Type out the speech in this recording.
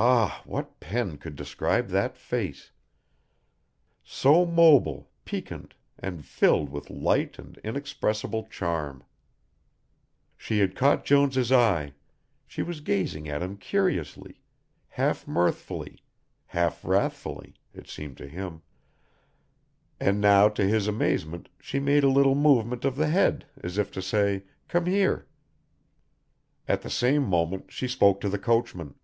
Ah, what pen could describe that face, so mobile, piquante, and filled with light and inexpressible charm. She had caught Jones' eye, she was gazing at him curiously, half mirthfully, half wrathfully, it seemed to him, and now to his amazement she made a little movement of the head, as if to say, "come here." At the same moment she spoke to the coachman.